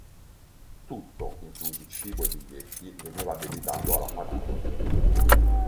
Tutto, inclusi cibo e biglietti, veniva addebitato alla Pan Am.